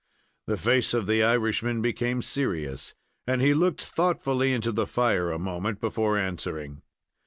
The face of the Irishman became serious, and he looked thoughtfully into the fire a moment before answering.